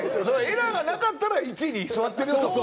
そのエラーがなかったら１位に座ってるよ。